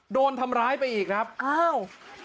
โดนทำร้ายไปอีกนะครับ